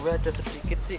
gue ada sedikit sih